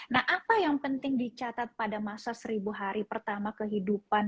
nah apa yang penting dicatat pada masa seribu hari pertama kehidupan